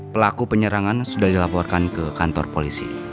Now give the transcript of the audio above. pelaku penyerangan sudah dilaporkan ke kantor polisi